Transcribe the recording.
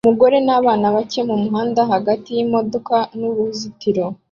Umugore nabana bake mumuhanda hagati yimodoka nuruzitiro